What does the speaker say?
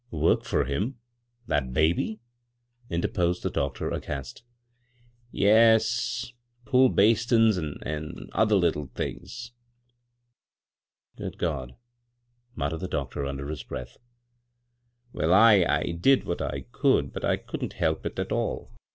Work for him — that baby I " interposed ~ the doctor, aghast '" Yes ; pu!i bastin's an' — an' other litde things." " Good God !" muttered the doctor under his breath. " Well, I— I did what I could, but I couldn't help it at all.